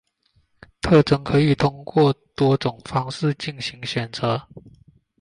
特征可以通过多种方法进行选择。